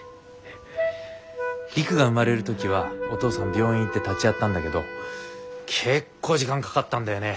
璃久が産まれる時はお父さん病院行って立ち会ったんだけど結構時間かかったんだよね。